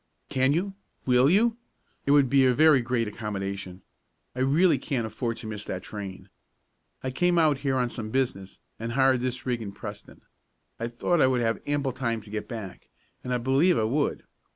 "Can you will you? It would be a very great accommodation. I really can't afford to miss that train. I came out here on some business, and hired this rig in Preston. I thought I would have ample time to get back, and I believe I would.